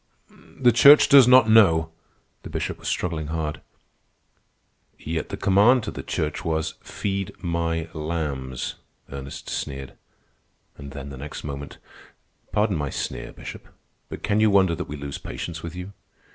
"The Church does not know." The Bishop was struggling hard. "Yet the command to the Church was, 'Feed my lambs,'" Ernest sneered. And then, the next moment, "Pardon my sneer, Bishop. But can you wonder that we lose patience with you?